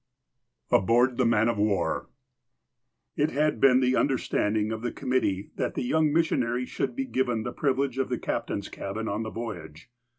V ABOARD THE MAN OF WAR IT had been the understanding of the committee that the young missionary should be given the privilege of the captain's cabin on the voyage.